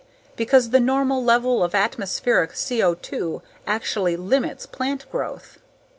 Because the normal level of atmospheric CO2 actually limits plant growth.